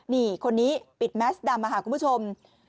นี่คนนี้ปิดแม็กซ์ดามมาหาคุณผู้ชม